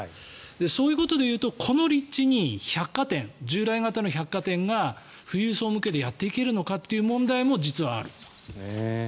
そういうことでいうとこの立地に百貨店従来型の百貨店が富裕層向けでやっていけるのかという問題も実はある。